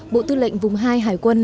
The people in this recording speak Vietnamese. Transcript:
bộ tư lệnh vùng hai hải quân